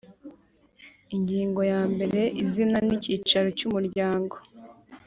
ingingo ya mbere izina n icyicaro cyumuryango